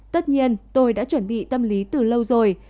tất nhiên tôi đã chuẩn bị tâm lý từ lâu rồi